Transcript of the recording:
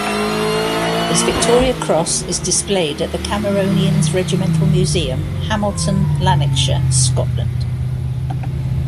His Victoria Cross is displayed at the Cameronians Regimental Museum, Hamilton, Lanarkshire, Scotland.